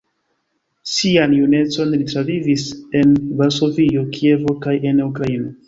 Sian junecon li travivis en Varsovio, Kievo kaj en Ukraino.